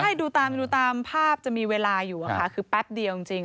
ใช่ดูตามดูตามภาพจะมีเวลาอยู่ค่ะคือแป๊บเดียวจริง